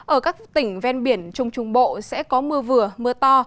ở các tỉnh ven biển trung trung bộ sẽ có mưa vừa mưa to